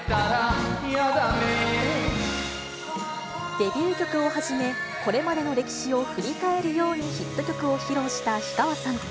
デビュー曲をはじめ、これまでの歴史を振り返るようにヒット曲を披露した氷川さん。